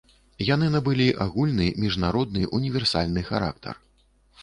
Яны набылі агульны, міжнародны, універсальны характар.